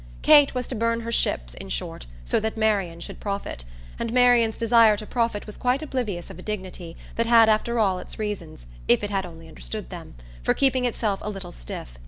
Kate was to burn her ships in short, so that Marian should profit; and Marian's desire to profit was quite oblivious of a dignity that had after all its reasons if it had only understood them for keeping itself a little stiff.